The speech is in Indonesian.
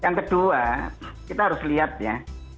yang kedua kita harus lihat ya